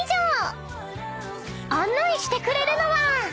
［案内してくれるのは］